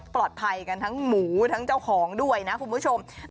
ปลอดภัยกันทั้งหมูทั้งเจ้าของด้วยนะคุณผู้ชม